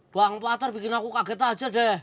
bang pelatar bikin aku kaget aja deh